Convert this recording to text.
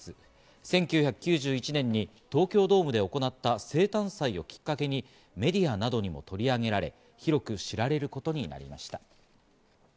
１９９１年に東京ドームで行った生誕祭をきっかけにメディアなどにも取り上げられ、広く知られることになりました。